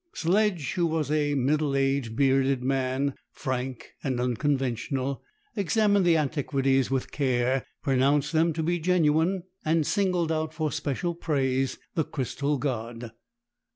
Sledge, who was a middle aged, bearded man, frank and unconventional, examined the antiquities with care, pronounced them to be genuine, and singled out for special praise the crystal god.